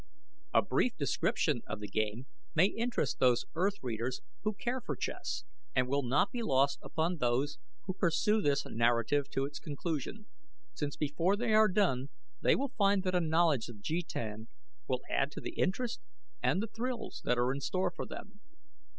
A brief description of the game may interest those Earth readers who care for chess, and will not be lost upon those who pursue this narrative to its conclusion, since before they are done they will find that a knowledge of jetan will add to the interest and the thrills that are in store for them.